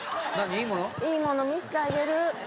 いいもの見せてあげる。